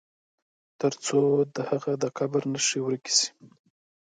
تر څو د هغه د قبر نښي ورکي سي.